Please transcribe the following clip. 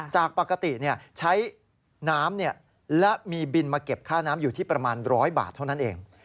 จากปกติใช้น้ำและมีบินมาเก็บค่าน้ำอยู่ที่ประมาณ๑๐๐บาทเท่านั้นเอง